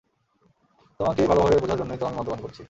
তোমাকে ভালোভাবে বুঝার জন্যই তো আমি মদ্যপান করছি।